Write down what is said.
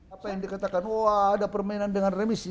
apa yang dikatakan wah ada permainan dengan remisi